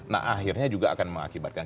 nah akhirnya juga akan mengakibatkan